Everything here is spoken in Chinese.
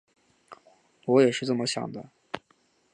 我也是这么想的